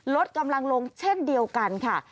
ลดกำลังลงเช่นเดียวกันค่ะ